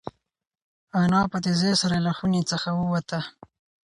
انا په تېزۍ سره له خونې څخه ووته.